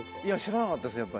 いや知らなかったです